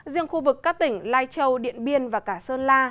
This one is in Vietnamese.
riêng khu vực các tỉnh lai châu điện biên và cả sơn la